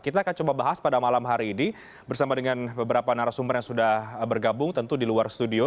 kita akan coba bahas pada malam hari ini bersama dengan beberapa narasumber yang sudah bergabung tentu di luar studio